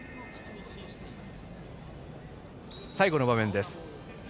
最後の場面です。